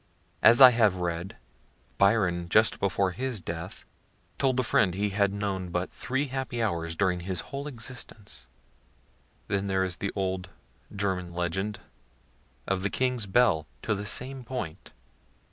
As I have read, Byron just before his death told a friend that he had known but three happy hours during his whole existence. Then there is the old German legend of the king's bell, to the same point.